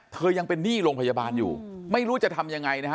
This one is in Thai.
ยังเป็นหนี้โรงพยาบาลอยู่ไม่รู้จะทำยังไงนะฮะ